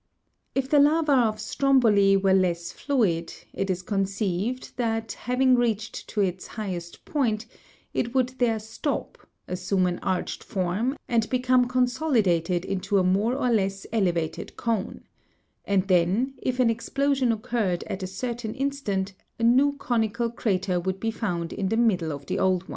25. If the lava of Stromboli were less fluid, it is conceived, that having reached to its highest point, it would there stop, assume an arched form, and become consolidated into a more or less elevated cone ; and then, if an explosion occurred at a certain instant, a new conical crater would be found in the middle of the old one.